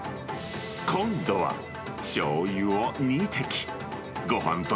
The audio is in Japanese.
今度は、しょうゆを２滴。